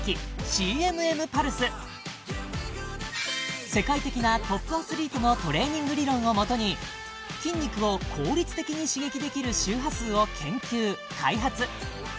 ＣＭＭパルス世界的なトップアスリートのトレーニング理論をもとに筋肉を効率的に刺激できる周波数を研究・開発